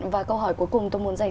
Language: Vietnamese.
và câu hỏi cuối cùng tôi muốn dành